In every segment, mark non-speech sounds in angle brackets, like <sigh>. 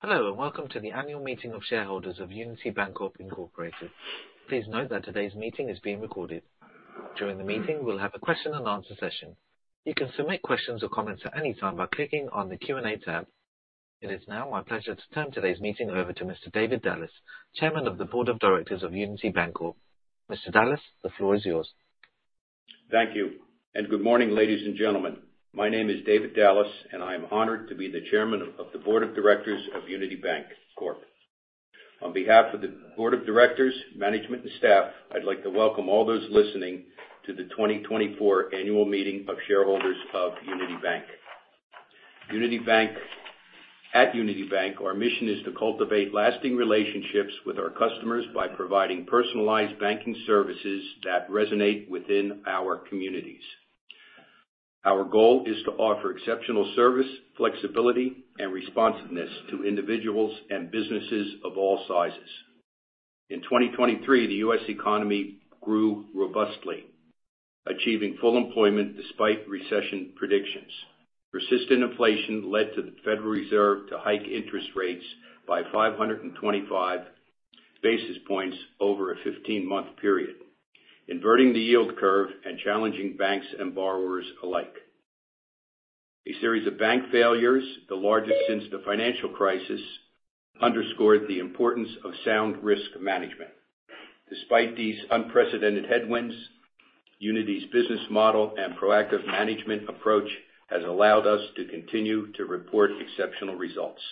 Hello and welcome to the annual meeting of shareholders of Unity Bancorp Incorporated. Please note that today's meeting is being recorded. During the meeting, we'll have a question-and-answer session. You can submit questions or comments at any time by clicking on the Q&A tab. It is now my pleasure to turn today's meeting over to Mr. David Dallas, Chairman of the Board of Directors of Unity Bancorp. Mr. Dallas, the floor is yours. Thank you, and good morning, ladies and gentlemen. My name is David Dallas, and I am honored to be the Chairman of the Board of Directors of Unity Bancorp. On behalf of the Board of Directors, management, and staff, I'd like to welcome all those listening to the 2024 annual meeting of shareholders of Unity Bancorp. At Unity Bancorp, our mission is to cultivate lasting relationships with our customers by providing personalized banking services that resonate within our communities. Our goal is to offer exceptional service, flexibility, and responsiveness to individuals and businesses of all sizes. In 2023, the U.S. economy grew robustly, achieving full employment despite recession predictions. Persistent inflation led the Federal Reserve to hike interest rates by 525 basis points over a 15-month period, inverting the yield curve and challenging banks and borrowers alike. A series of bank failures, the largest since the financial crisis, underscored the importance of sound risk management. Despite these unprecedented headwinds, Unity's business model and proactive management approach has allowed us to continue to report exceptional results.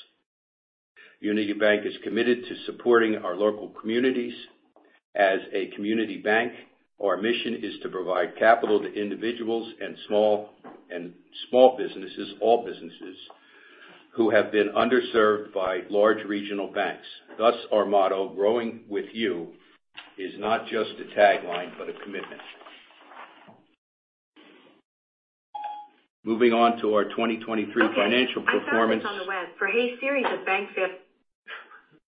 Unity Bancorp is committed to supporting our local communities. As a community bank, our mission is to provide capital to individuals and small businesses, all businesses, who have been underserved by large regional banks. Thus, our motto, "Growing with you," is not just a tagline but a commitment. Moving on to our 2023 financial performance. <inaudible>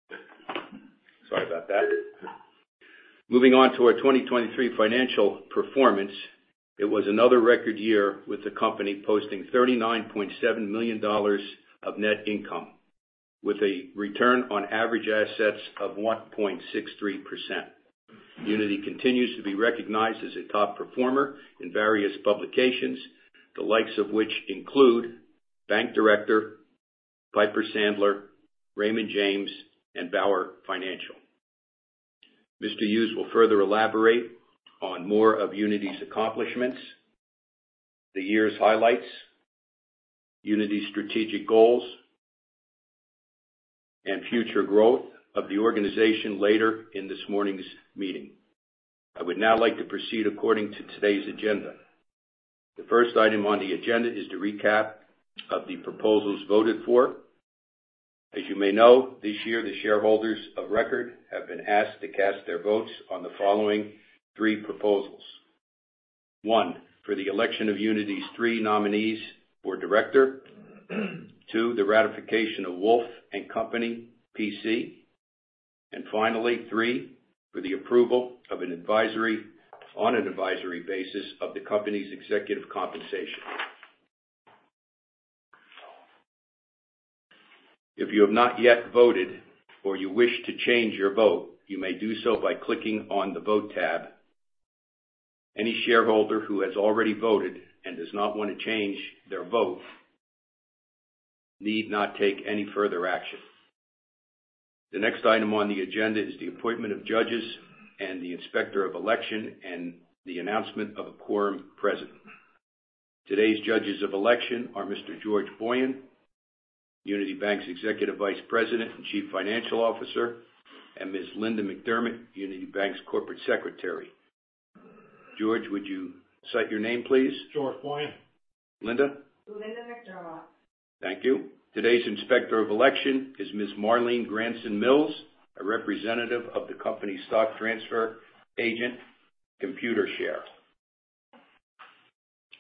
Hey, sorry about that. Moving on to our 2023 financial performance, it was another record year with the company posting $39.7 million of net income, with a return on average assets of 1.63%. Unity continues to be recognized as a top performer in various publications, the likes of which include Bank Director, Piper Sandler, Raymond James, and BauerFinancial. Mr. Hughes will further elaborate on more of Unity's accomplishments, the year's highlights, Unity's strategic goals, and future growth of the organization later in this morning's meeting. I would now like to proceed according to today's agenda. The first item on the agenda is the recap of the proposals voted for. As you may know, this year, the shareholders of record have been asked to cast their votes on the following three proposals: one, for the election of Unity's three nominees for director; two, the ratification of Wolf & Company, P.C.; and finally, three, for the approval of an advisory on an advisory basis of the company's executive compensation. If you have not yet voted or you wish to change your vote, you may do so by clicking on the Vote tab. Any shareholder who has already voted and does not want to change their vote need not take any further action. The next item on the agenda is the appointment of judges and the inspector of election and the announcement of a quorum present. Today's judges of election are Mr. George Boyan, Unity Bancorp's Executive Vice President and Chief Financial Officer, and Ms. Linda McDermott, Unity Bancorp's Corporate Secretary. George, would you state your name, please? George Boyan. Linda? Linda McDermott. Thank you. Today's inspector of election is Ms. Marlene Granson-Mills, a representative of the company's stock transfer agent, Computer Share.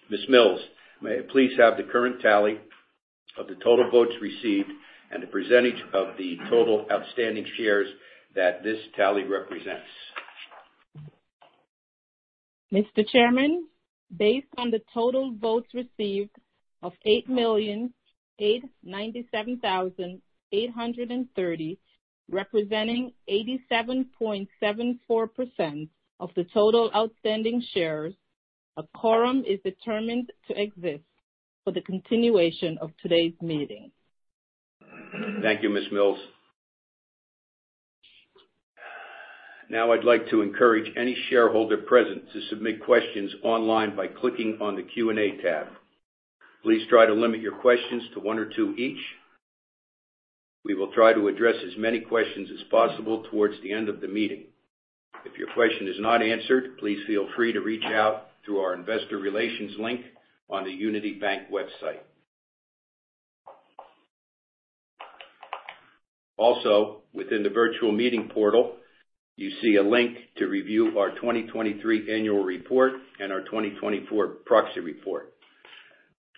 Ms. Mills, may I please have the current tally of the total votes received and the percentage of the total outstanding shares that this tally represents? Mr. Chairman, based on the total votes received of 8,897,830, representing 87.74% of the total outstanding shares, a quorum is determined to exist for the continuation of today's meeting. Thank you, Ms. Mills. Now, I'd like to encourage any shareholder present to submit questions online by clicking on the Q&A tab. Please try to limit your questions to one or two each. We will try to address as many questions as possible towards the end of the meeting. If your question is not answered, please feel free to reach out through our investor relations link on the Unity Bancorp website. Also, within the virtual meeting portal, you see a link to review our 2023 annual report and our 2024 proxy report.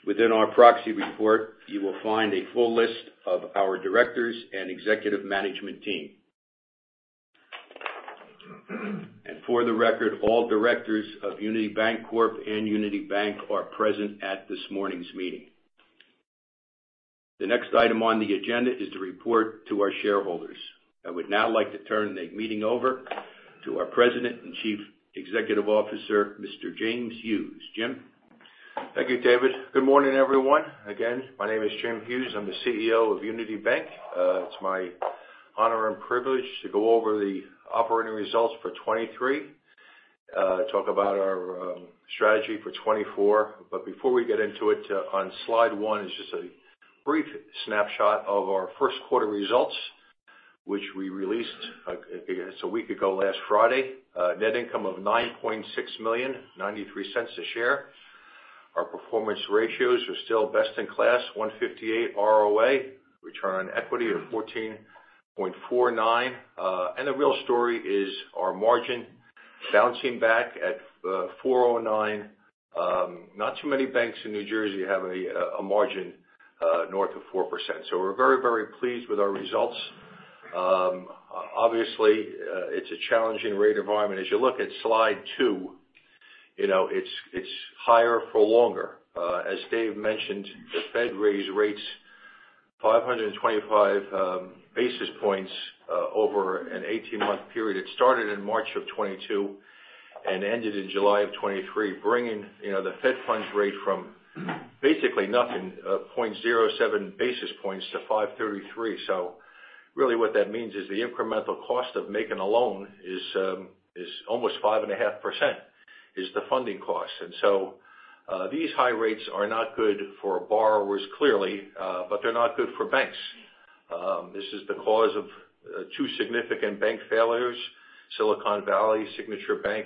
Within our proxy report, you will find a full list of our directors and executive management team. For the record, all directors of Unity Bancorp and Unity Bancorp are present at this morning's meeting. The next item on the agenda is the report to our shareholders. I would now like to turn the meeting over to our President and Chief Executive Officer, Mr. James Hughes. Jim? Thank you, David. Good morning, everyone. Again, my name is Jim Hughes. I'm the CEO of Unity Bancorp. It's my honor and privilege to go over the operating results for 2023, talk about our strategy for 2024. But before we get into it, on slide one is just a brief snapshot of our Q1 results, which we released a week ago, last Friday. Net income of $9.6 million, $0.93 a share. Our performance ratios are still best in class, 1.58% ROA, return on equity of 14.49%. And the real story is our margin bouncing back at 4.09%. Not too many banks in New Jersey have a margin north of 4%. So we're very, very pleased with our results. Obviously, it's a challenging rate environment. As you look at slide two, it's higher for longer. As Dave mentioned, the Fed raised rates 525 basis points over an 18-month period. It started in March of 2022 and ended in July of 2023, bringing the Fed funds rate from basically nothing, 0.07 basis points, to 533. So really, what that means is the incremental cost of making a loan is almost 5.5%, is the funding cost. And so these high rates are not good for borrowers, clearly, but they're not good for banks. This is the cause of two significant bank failures: Silicon Valley Bank and Signature Bank.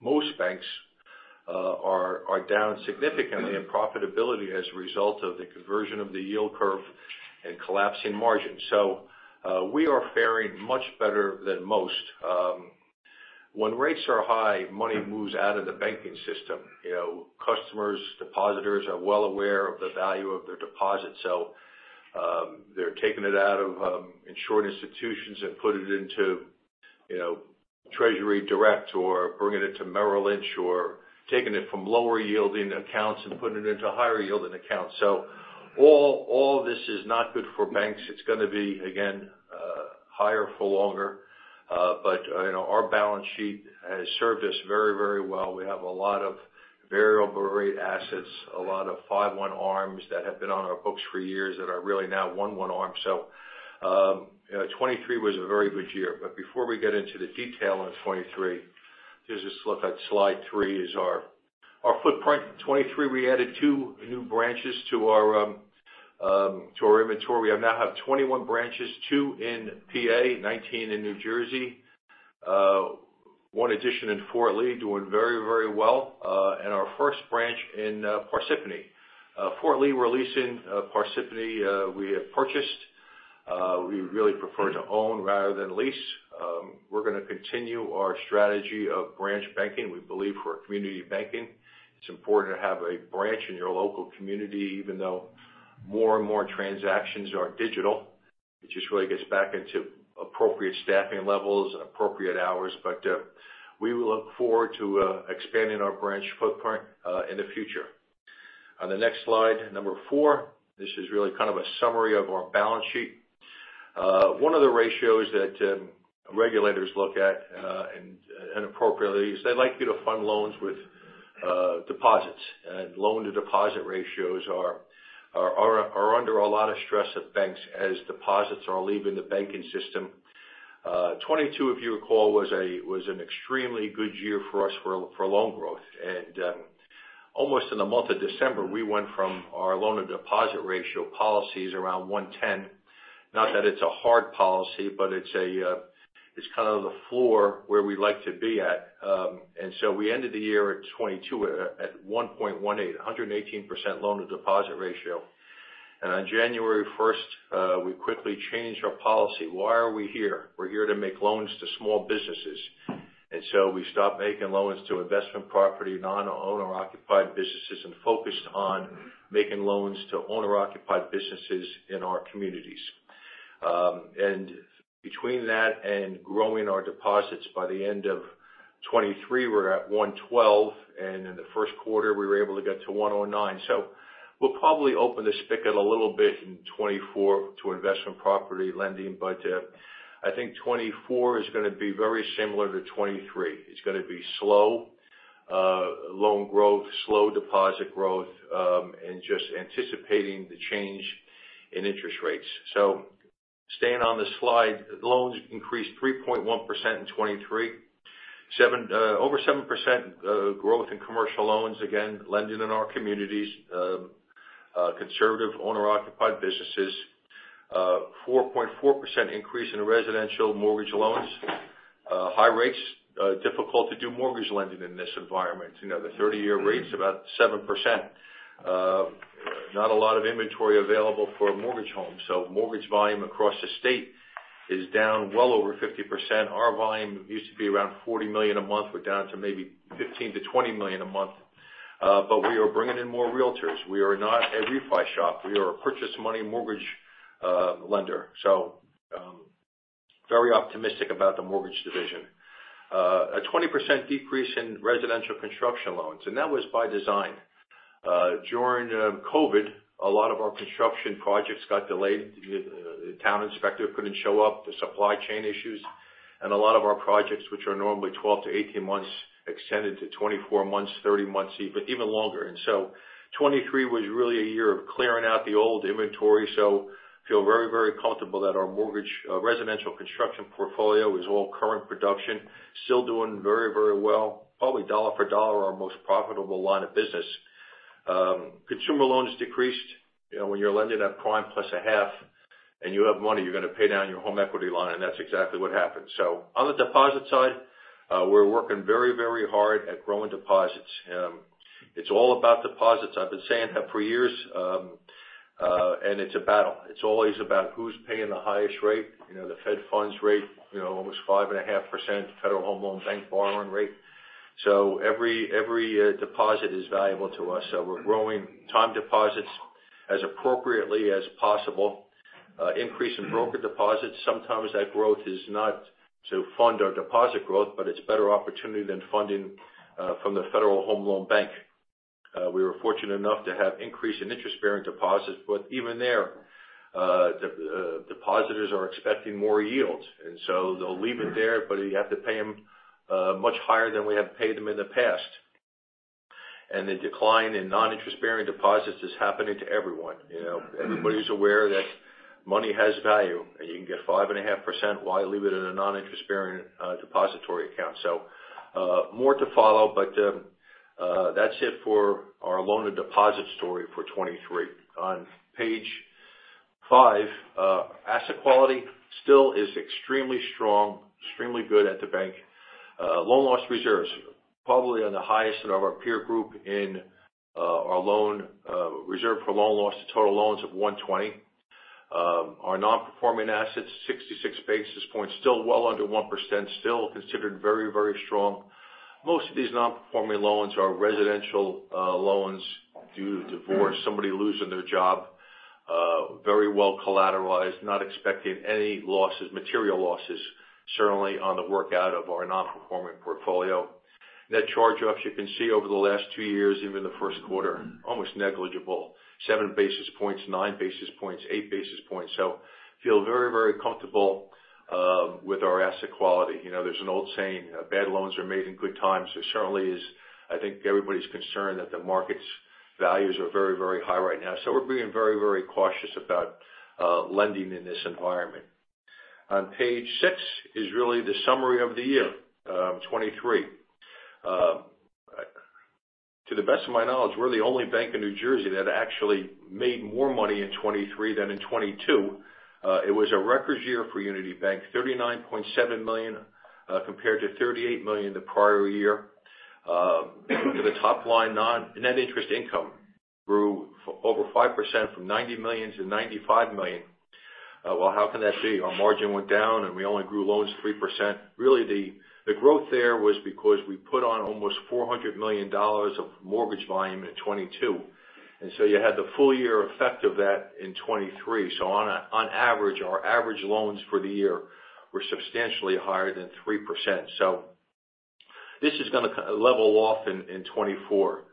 Most banks are down significantly in profitability as a result of the conversion of the yield curve and collapsing margins. So we are faring much better than most. When rates are high, money moves out of the banking system. Customers, depositors, are well aware of the value of their deposits. So they're taking it out of insured institutions and putting it into Treasury Direct or bringing it to Merrill Lynch or taking it from lower-yielding accounts and putting it into higher-yielding accounts. So all this is not good for banks. It's going to be, again, higher for longer. But our balance sheet has served us very, very well. We have a lot of variable-rate assets, a lot of 5/1 ARMs that have been on our books for years that are really now 1/1 ARMs. So 2023 was a very good year. But before we get into the detail in 2023, just look at slide three is our footprint. In 2023, we added two new branches to our inventory. We now have 21 branches, two in PA, 19 in New Jersey, one addition in Fort Lee, doing very, very well, and our first branch in Parsippany. Fort Lee, we're leasing. Parsippany we have purchased. We really prefer to own rather than lease. We're going to continue our strategy of branch banking, we believe, for community banking. It's important to have a branch in your local community, even though more and more transactions are digital. It just really gets back into appropriate staffing levels and appropriate hours. But we will look forward to expanding our branch footprint in the future. On the next slide, number 4, this is really kind of a summary of our balance sheet. One of the ratios that regulators look at inappropriately is they like you to fund loans with deposits. And loan-to-deposit ratios are under a lot of stress at banks as deposits are leaving the banking system. 2022, if you recall, was an extremely good year for us for loan growth. Almost in the month of December, we went from our loan-to-deposit ratio policies around 110. Not that it's a hard policy, but it's kind of the floor where we like to be at. And so we ended the year at 2022 at 1.18, 118% loan-to-deposit ratio. And on January 1st, we quickly changed our policy. Why are we here? We're here to make loans to small businesses. And so we stopped making loans to investment property, non-owner-occupied businesses, and focused on making loans to owner-occupied businesses in our communities. And between that and growing our deposits, by the end of 2023, we're at 112. And in the Q1, we were able to get to 109. So we'll probably open the spigot a little bit in 2024 to investment property lending. But I think 2024 is going to be very similar to 2023. It's going to be slow loan growth, slow deposit growth, and just anticipating the change in interest rates. So staying on the slide, loans increased 3.1% in 2023, over 7% growth in commercial loans, again, lending in our communities, conservative owner-occupied businesses, 4.4% increase in residential mortgage loans, high rates, difficult to do mortgage lending in this environment. The 30-year rate's about 7%. Not a lot of inventory available for mortgage homes. So mortgage volume across the state is down well over 50%. Our volume used to be around $40 million a month. We're down to maybe $15 million-$20 million a month. But we are bringing in more realtors. We are not a refi shop. We are a purchase-money mortgage lender. So very optimistic about the mortgage division. A 20% decrease in residential construction loans. And that was by design. During COVID, a lot of our construction projects got delayed. The town inspector couldn't show up. The supply chain issues. And a lot of our projects, which are normally 12-18 months, extended to 24 months, 30 months, even longer. And so 2023 was really a year of clearing out the old inventory. So I feel very, very comfortable that our residential construction portfolio is all current production, still doing very, very well. Probably dollar for dollar, our most profitable line of business. Consumer loans decreased. When you're lending at prime plus a half and you have money, you're going to pay down your home equity line. And that's exactly what happened. So on the deposit side, we're working very, very hard at growing deposits. It's all about deposits. I've been saying that for years. And it's a battle. It's always about who's paying the highest rate, the Fed funds rate, almost 5.5%, Federal Home Loan Bank borrowing rate. So every deposit is valuable to us. So we're growing time deposits as appropriately as possible, increasing broker deposits. Sometimes that growth is not to fund our deposit growth, but it's better opportunity than funding from the Federal Home Loan Bank. We were fortunate enough to have increase in interest-bearing deposits. But even there, depositors are expecting more yields. And so they'll leave it there, but you have to pay them much higher than we have paid them in the past. And the decline in non-interest-bearing deposits is happening to everyone. Everybody's aware that money has value. And you can get 5.5%. Why leave it in a non-interest-bearing depository account? So more to follow. But that's it for our loan-to-deposit story for 2023. On page 5, asset quality still is extremely strong, extremely good at the bank. Loan loss reserves, probably on the highest of our peer group in our reserve for loan loss, the total loans of 120. Our non-performing assets, 66 basis points, still well under 1%, still considered very, very strong. Most of these non-performing loans are residential loans due to divorce, somebody losing their job, very well collateralized, not expecting any losses, material losses, certainly on the work out of our non-performing portfolio. Net charge-offs, you can see over the last 2 years, even the Q1, almost negligible, 7 basis points, 9 basis points, 8 basis points. So feel very, very comfortable with our asset quality. There's an old saying, "Bad loans are made in good times." There certainly is, I think, everybody's concerned that the market's values are very, very high right now. So we're being very, very cautious about lending in this environment. On page six is really the summary of the year, 2023. To the best of my knowledge, we're the only bank in New Jersey that actually made more money in 2023 than in 2022. It was a record year for Unity Bancorp, $39.7 million compared to $38 million the prior year. To the top line, net interest income grew over 5% from $90 million to $95 million. Well, how can that be? Our margin went down, and we only grew loans 3%. Really, the growth there was because we put on almost $400 million of mortgage volume in 2022. And so you had the full year effect of that in 2023. So on average, our average loans for the year were substantially higher than 3%. So this is going to level off in 2024.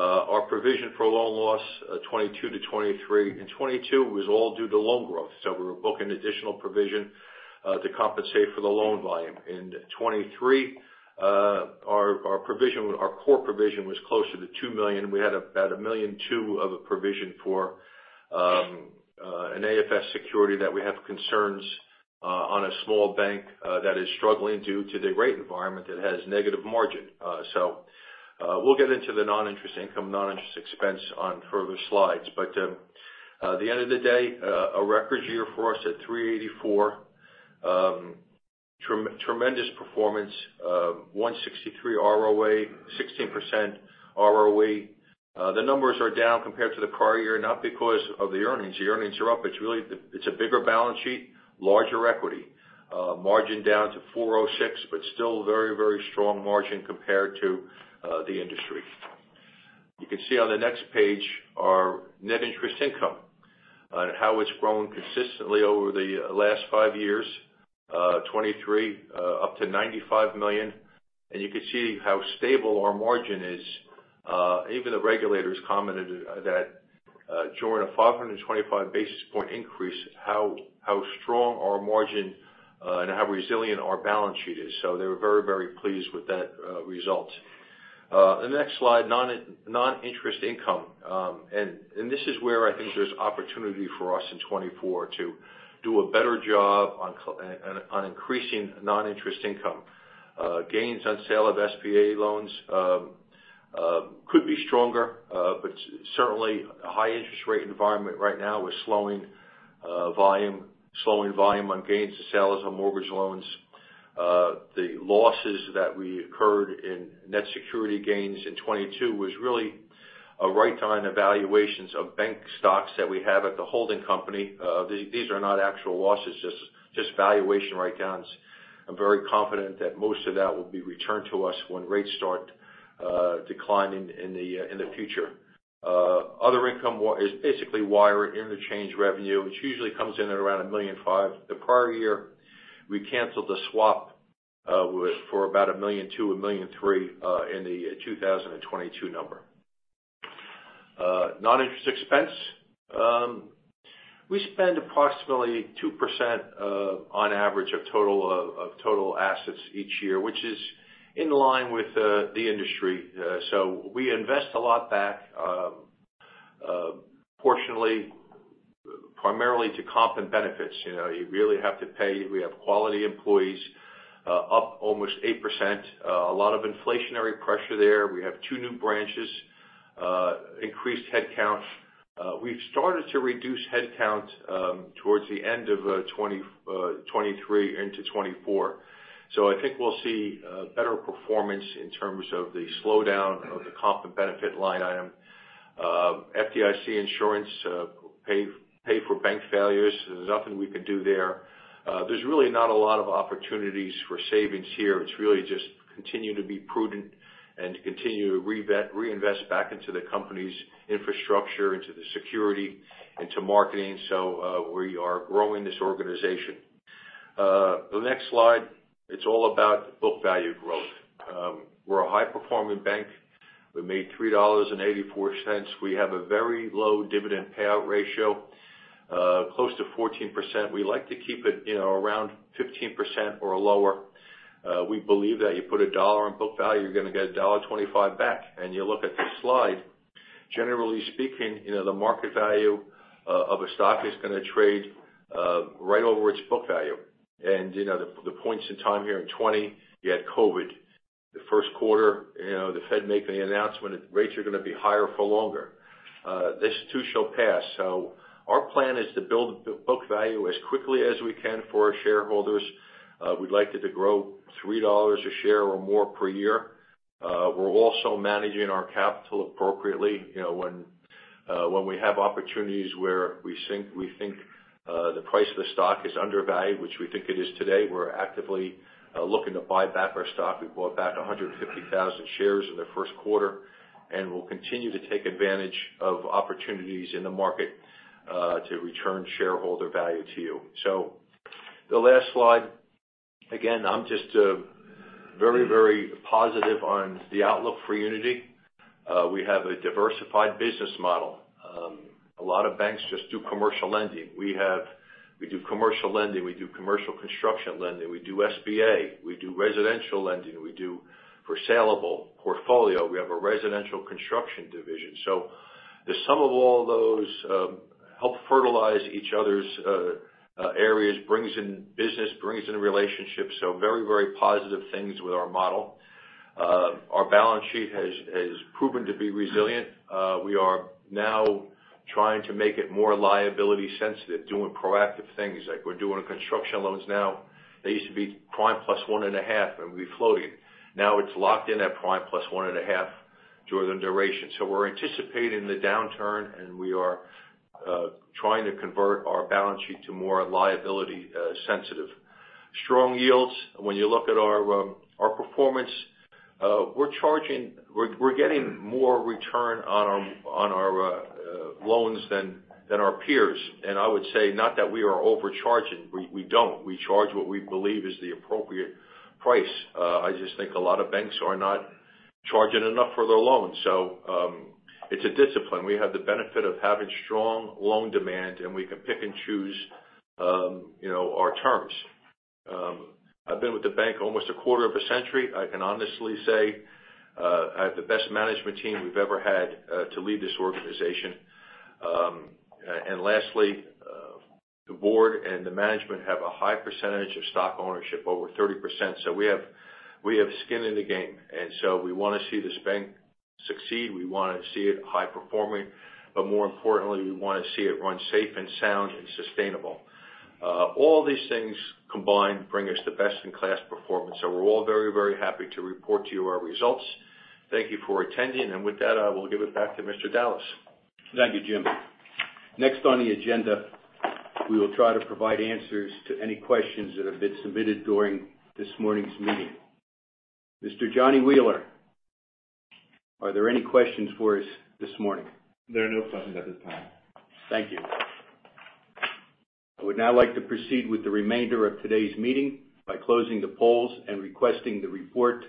Our provision for loan loss, 2022 to 2023, in 2022 was all due to loan growth. So we were booking additional provision to compensate for the loan volume. In 2023, our core provision was closer to $2 million. We had about $1.2 million of a provision for an AFS security that we have concerns on a small bank that is struggling due to the rate environment that has negative margin. So we'll get into the non-interest income, non-interest expense on further slides. But at the end of the day, a record year for us at $38.4 million, tremendous performance, 1.63% ROA, 16% ROE. The numbers are down compared to the prior year, not because of the earnings. The earnings are up. It's a bigger balance sheet, larger equity, margin down to 4.06%, but still very, very strong margin compared to the industry. You can see on the next page our net interest income and how it's grown consistently over the last five years, 2023 up to $95 million. You can see how stable our margin is. Even the regulators commented that during a 525 basis point increase, how strong our margin and how resilient our balance sheet is. They were very, very pleased with that result. The next slide, non-interest income. This is where I think there's opportunity for us in 2024 to do a better job on increasing non-interest income. Gains on sale of SPA loans could be stronger. But certainly, a high-interest rate environment right now with slowing volume, slowing volume on gains and sales of mortgage loans. The losses that we incurred in net security gains in 2022 was really a write-down of valuations of bank stocks that we have at the holding company. These are not actual losses, just valuation write-downs. I'm very confident that most of that will be returned to us when rates start declining in the future. Other income is basically wire interchange revenue. It usually comes in at around $1.5 million. The prior year, we canceled the swap for about $1.2 million, $1.3 million in the 2022 number. Non-interest expense, we spend approximately 2% on average of total assets each year, which is in line with the industry. So we invest a lot back, proportionally, primarily to comp and benefits. You really have to pay. We have quality employees up almost 8%, a lot of inflationary pressure there. We have two new branches, increased headcount. We've started to reduce headcount towards the end of 2023 into 2024. So I think we'll see better performance in terms of the slowdown of the comp and benefit line item. FDIC insurance, pay for bank failures. There's nothing we can do there. There's really not a lot of opportunities for savings here. It's really just continue to be prudent and continue to reinvest back into the company's infrastructure, into the security, into marketing. So we are growing this organization. The next slide, it's all about book value growth. We're a high-performing bank. We made $3.84. We have a very low dividend payout ratio, close to 14%. We like to keep it around 15% or lower. We believe that you put a dollar in book value, you're going to get $1.25 back. And you look at this slide, generally speaking, the market value of a stock is going to trade right over its book value. And the points in time here in 2020, you had COVID. The Q1, the Fed making the announcement, rates are going to be higher for longer. This too shall pass. So our plan is to build book value as quickly as we can for our shareholders. We'd like it to grow $3 a share or more per year. We're also managing our capital appropriately. When we have opportunities where we think the price of the stock is undervalued, which we think it is today, we're actively looking to buy back our stock. We bought back 150,000 shares in the Q1. We'll continue to take advantage of opportunities in the market to return shareholder value to you. So the last slide, again, I'm just very, very positive on the outlook for Unity. We have a diversified business model. A lot of banks just do commercial lending. We do commercial lending. We do commercial construction lending. We do SBA. We do residential lending. We do for saleable portfolio. We have a residential construction division. So the sum of all those help fertilize each other's areas, brings in business, brings in relationships. So very, very positive things with our model. Our balance sheet has proven to be resilient. We are now trying to make it more liability sensitive, doing proactive things. We're doing construction loans now. They used to be prime plus 1.5, and we floated. Now it's locked in at prime plus 1.5 during the duration. So we're anticipating the downturn, and we are trying to convert our balance sheet to more liability sensitive. Strong yields. When you look at our performance, we're getting more return on our loans than our peers. And I would say not that we are overcharging. We don't. We charge what we believe is the appropriate price. I just think a lot of banks are not charging enough for their loans. So it's a discipline. We have the benefit of having strong loan demand, and we can pick and choose our terms. I've been with the bank almost a quarter of a century. I can honestly say I have the best management team we've ever had to lead this organization. And lastly, the board and the management have a high percentage of stock ownership, over 30%. So we have skin in the game. And so we want to see this bank succeed. We want to see it high performing. But more importantly, we want to see it run safe and sound and sustainable. All these things combined bring us the best-in-class performance. So we're all very, very happy to report to you our results. Thank you for attending. With that, I will give it back to Mr. Dallas. Thank you, Jim. Next on the agenda, we will try to provide answers to any questions that have been submitted during this morning's meeting. Mr. Johnny Wheeler, are there any questions for us this morning? There are no questions at this time. Thank you. I would now like to proceed with the remainder of today's meeting by closing the polls and requesting the report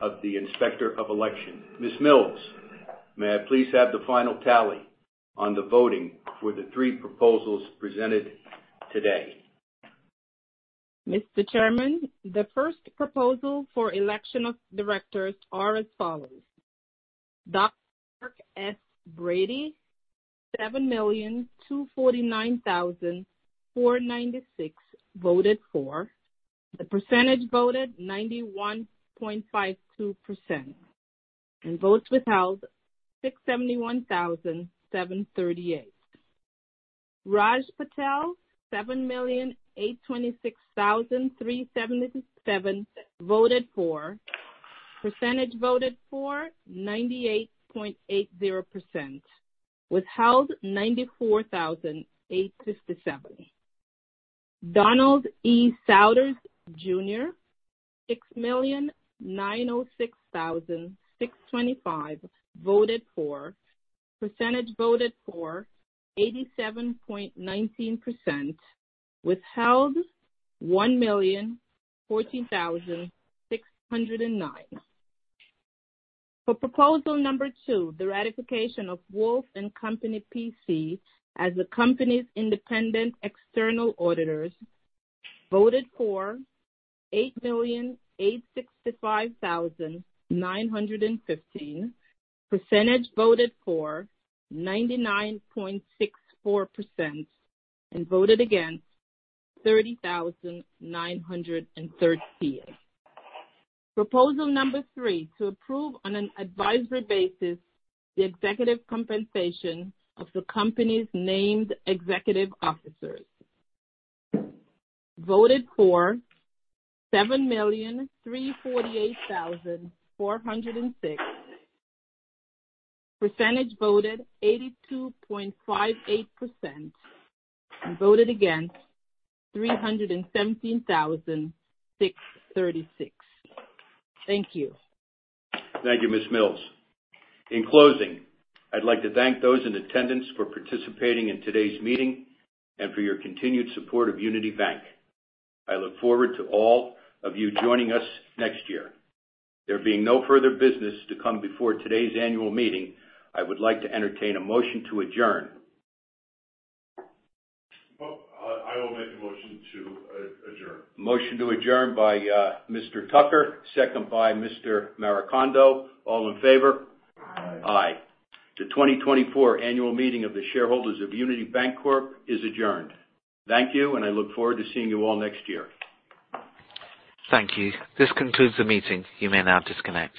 of the inspector of election. Ms. Mills, may I please have the final tally on the voting for the three proposals presented today? Mr. Chairman, the first proposal for election of directors are as follows. Dr. S. Brody, 7,249,496 voted for. The percentage voted, 91.52%. Votes withheld, 671,738. Raj Patel, 7,826,377 voted for. Percentage voted for, 98.80%. Withheld, 94,857. Donald E. Souders, Jr., 6,906,625 voted for. Percentage voted for, 87.19%. Withheld, 1,014,609. For proposal number two, the ratification of Wolf & Company, P.C. as the company's independent external auditors, voted for, 8,865,915. Percentage voted for, 99.64%. Voted against, 30,913. Proposal number three, to approve on an advisory basis the executive compensation of the company's named executive officers, voted for, 7,348,406. Percentage voted, 82.58%. Voted against, 317,636. Thank you. Thank you, Ms. Mills. In closing, I'd like to thank those in attendance for participating in today's meeting and for your continued support of Unity Bancorp. I look forward to all of you joining us next year. There being no further business to come before today's annual meeting, I would like to entertain a motion to adjourn. I will make a motion to adjourn. Motion to adjourn by Mr. Tucker, second by Mr. Maricondo. All in favor? Aye. Aye. The 2024 annual meeting of the shareholders of Unity Bancorp is adjourned. Thank you, and I look forward to seeing you all next year. Thank you. This concludes the meeting. You may now disconnect.